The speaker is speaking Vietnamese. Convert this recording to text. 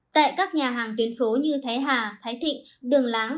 tại các nhà hàng tuyến phố như thái hà thái thịnh đường láng